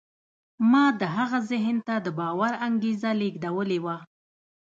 ما د هغه ذهن ته د باور انګېزه لېږدولې وه